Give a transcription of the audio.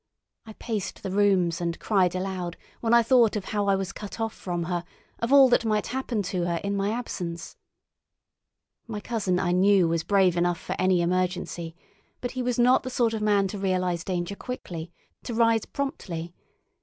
I paced the rooms and cried aloud when I thought of how I was cut off from her, of all that might happen to her in my absence. My cousin I knew was brave enough for any emergency, but he was not the sort of man to realise danger quickly, to rise promptly.